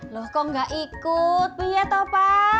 lo kok gak ikut ya toh pa